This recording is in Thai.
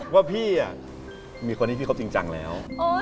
ว่าพี่มีคนที่พี่คบจริงจังแล้ว